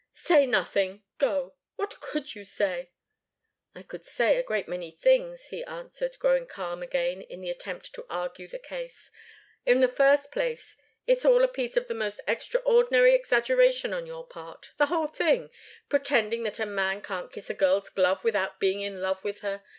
"Say nothing go what could you say?" "I could say a great many things," he answered, growing calm again in the attempt to argue the case. "In the first place, it's all a piece of the most extraordinary exaggeration on your part the whole thing pretending that a man can't kiss a girl's glove without being in love with her!